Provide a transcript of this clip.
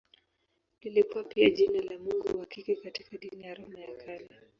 Lilikuwa pia jina la mungu wa kike katika dini ya Roma ya Kale.